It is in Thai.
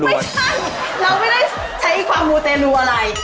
ไม่ใช่เราไม่ได้ใช้อีกความมูลเตรียมรู้อะไร